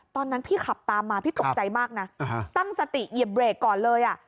ตอนนั้นพี่ขับตามมาพี่ตกใจมากนะตั้งสติเหยียบเบรกก่อนเลยอ่ะ